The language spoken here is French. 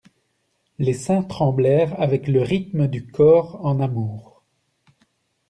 Les seins tremblèrent avec le rythme du corps en amour.